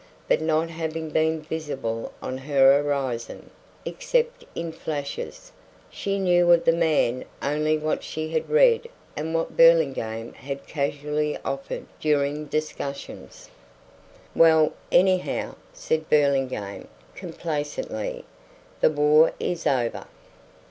But not having been visible on her horizon, except in flashes, she knew of the man only what she had read and what Burlingame had casually offered during discussions. "Well, anyhow," said Burlingame, complacently, "the war is over."